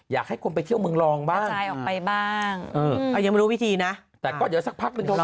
อยากให้คนไปเที่ยวเมืองรองบ้างใช่ออกไปบ้างยังไม่รู้วิธีนะแต่ก็เดี๋ยวสักพักหนึ่งโทร